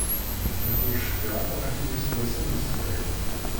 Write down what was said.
Nekk ur d-cfiɣ ara ɣef yiseggasen n sebɛin.